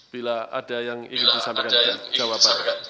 bila ada yang ingin disampaikan jawaban